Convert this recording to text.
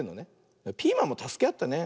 ピーマンもたすけあってね。